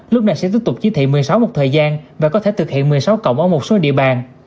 lúc này sẽ tiếp tục chỉ thị một mươi sáu một thời gian và có thể thực hiện một mươi sáu cộng ở một số địa bàn